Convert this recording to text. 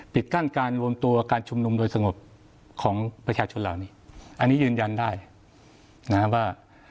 ปิดกั้นการรวมตัวการชุมนุมโดยสงบของประชาชนเหล่านี้อันนี้ยืนยันได้นะครับว่า